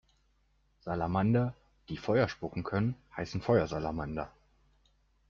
Salamander, die Feuer spucken können, heißen Feuersalamander.